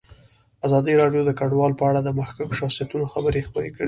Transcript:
ازادي راډیو د کډوال په اړه د مخکښو شخصیتونو خبرې خپرې کړي.